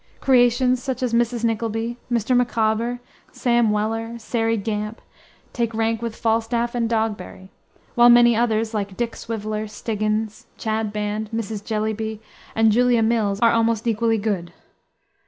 Creations such as Mrs. Nickleby, Mr. Micawber, Sam Weller, Sairy Gamp, take rank with Falstaff and Dogberry; while many others, like Dick Swiveller, Stiggins, Chadband, Mrs. Jellyby, and Julia Mills are almost equally good.